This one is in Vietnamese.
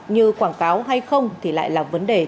như quảng cáo hay không thì lại là vấn đề